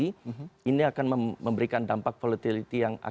ini akan memberikan dampak volatility yang akan naik